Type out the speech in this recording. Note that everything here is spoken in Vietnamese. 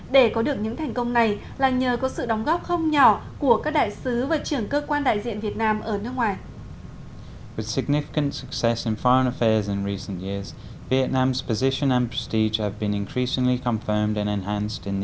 để có được những thành công này là nhờ có sự đóng góp không nhỏ của các đại sứ và trưởng cơ quan đại diện việt nam ở nước ngoài